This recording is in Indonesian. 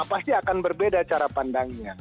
pasti akan berbeda cara pandangnya